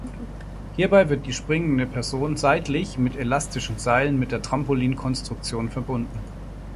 Hierbei wird die springende Person seitlich mit elastischen Seilen mit der Trampolin-Konstruktion verbunden.